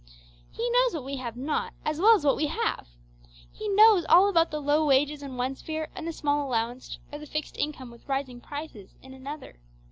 He knows what we have not, as well as what we have. He knows all about the low wages in one sphere, and the small allowance, or the fixed income with rising prices in another.